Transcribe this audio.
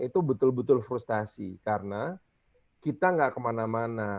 itu betul betul frustasi karena kita gak kemana mana